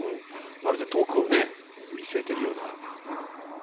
まるで遠くをね見据えているような。